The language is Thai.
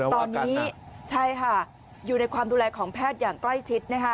ตอนนี้ใช่ค่ะอยู่ในความดูแลของแพทย์อย่างใกล้ชิดนะคะ